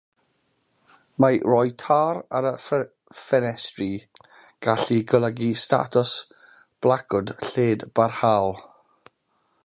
Mae rhoi tar ar y ffenestri'n gallu golygu statws blacowt lled-barhaol.